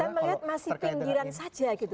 saya melihat masih pinggiran saja gitu